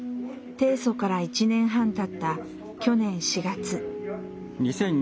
提訴から１年半たった去年４月。